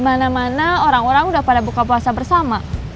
mana mana orang orang udah pada buka puasa bersama